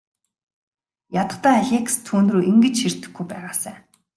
Ядахдаа Алекс түүнрүү ингэж ширтэхгүй байгаасай.